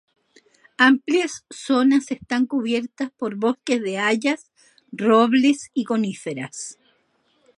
Amplias zonas están cubiertas por bosques de hayas, robles y coníferas.